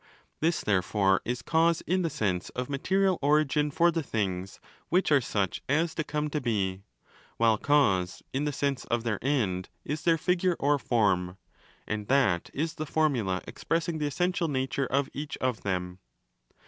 This, therefore, is cause in the sense of material origin for the things which are such as to come to be; while cause, in the sense of their 'end', is their 'figure' or 'form '—and that is the formula expressing the essential nature of each of them.